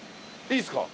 いいっすか？